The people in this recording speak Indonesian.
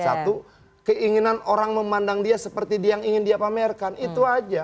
satu keinginan orang memandang dia seperti dia yang ingin dia pamerkan itu aja